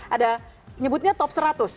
ada nyebutnya top seratus